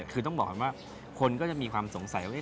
คือต้องบอกก่อนว่าคนก็จะมีความสงสัยว่า